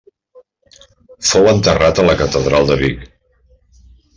Fou enterrat a la catedral de Vic.